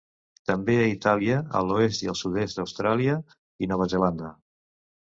També a Itàlia, a l'oest i el sud-est d'Austràlia, i Nova Zelanda.